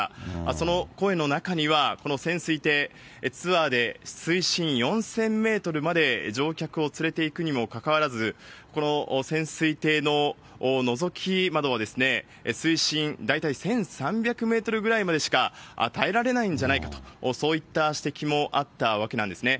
その声の中には、この潜水艇、ツアーで水深４０００メートルまで乗客を連れていくにもかかわらず、この潜水艇ののぞき窓は水深、大体１３００メートルぐらいまでしか耐えられないんじゃないかと、そういった指摘もあったわけなんですね。